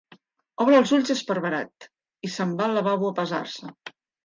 Obre els ulls esparverat i se'n va al lavabo a pesar-se.